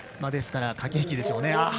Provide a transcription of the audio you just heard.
ですから、駆け引きでしょうね。